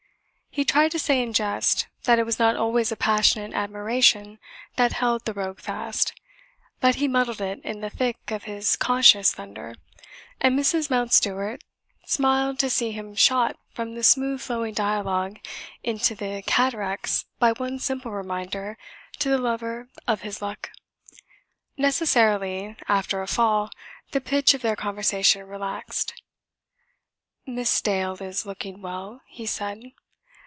He tried to say in jest, that it was not always a passionate admiration that held the rogue fast; but he muddled it in the thick of his conscious thunder, and Mrs. Mountstuart smiled to see him shot from the smooth flowing dialogue into the cataracts by one simple reminder to the lover of his luck. Necessarily, after a fall, the pitch of their conversation relaxed. "Miss Dale is looking well," he said.